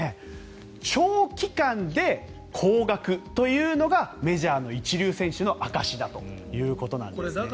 長期間で高額というのがメジャーの一流選手の証しだということですね。